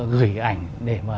gửi ảnh để mà